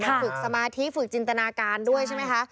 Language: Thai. ฝึกสมาธิฝึกจินตนาการด้วยใช่ไหมคะ